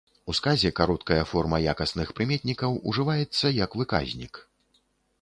У сказе кароткая форма якасных прыметнікаў ужываецца як выказнік.